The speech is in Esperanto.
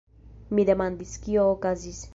Mi demandis, kio okazis.